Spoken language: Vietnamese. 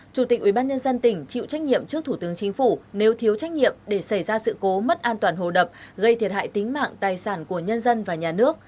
chủ tịch ubnd tỉnh chịu trách nhiệm trước thủ tướng chính phủ nếu thiếu trách nhiệm để xảy ra sự cố mất an toàn hồ đập gây thiệt hại tính mạng tài sản của nhân dân và nhà nước